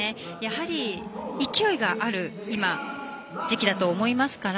今、勢いがある時期だと思いますから。